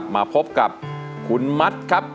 มาพบกับคุณมัดครับ